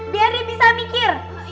biar dia bisa mikir